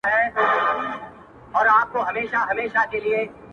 او کرۍ شپه مي